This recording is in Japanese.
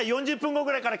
ぐらいから。